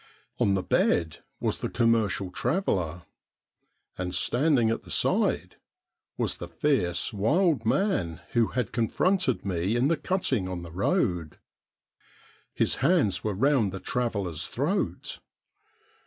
On the bed was the commercial traveller, and standing at the side was the fierce, wild man who had confronted me in the cutting on the road. His hands were round the traveller's throat.